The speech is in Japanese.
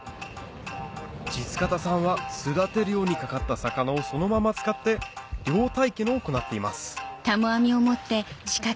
実形さんは簀立漁にかかった魚をそのまま使って漁体験を行っています